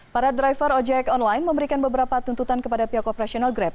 para driver ojek online memberikan beberapa tuntutan kepada pihak operasional grab